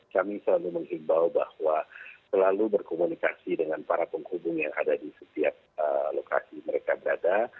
kami selalu mengimbau bahwa selalu berkomunikasi dengan para penghubung yang ada di setiap lokasi mereka berada